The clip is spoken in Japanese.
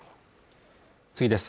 次です